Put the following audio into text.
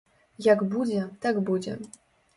Як будзе, так будзе.